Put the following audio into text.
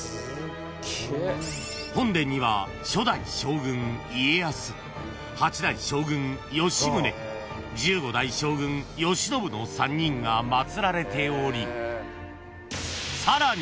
［本殿には初代将軍家康８代将軍吉宗１５代将軍慶喜の３人が祭られており］